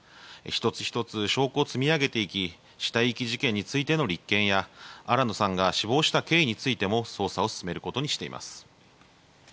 １つ１つ証拠を積み上げていき死体遺棄事件についての立件や新野さんが死亡した経緯についても捜査を進めることにしています。